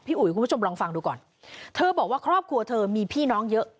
อุ๋ยคุณผู้ชมลองฟังดูก่อนเธอบอกว่าครอบครัวเธอมีพี่น้องเยอะ